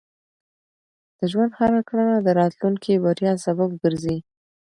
د ژوند هره کړنه د راتلونکي بریا سبب ګرځي.